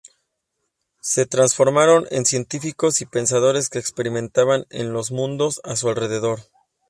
Se transformaron en científicos y pensadores que experimentaban en los mundos a su alrededor.